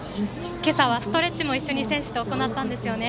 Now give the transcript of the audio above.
今朝はストレッチも一緒に選手と行ったんですよね。